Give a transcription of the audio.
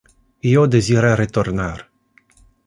Io desira retornar.